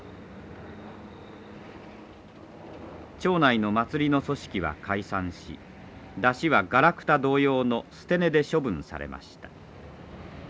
町内の祭りの組織は解散し山車はガラクタ同様の捨て値で処分されました。